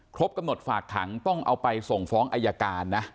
ครบกำหนดฝากขังต้องเอาไปส่งฟ้องอายการนะ